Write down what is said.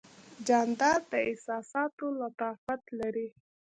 جانداد د احساساتو لطافت لري.